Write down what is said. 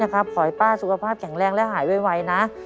ขอให้ป้าสุขภาพแข็งแรงและหายไวนะ